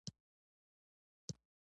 ناجيه د تلو په نيت له خپله ځايه پورته کېده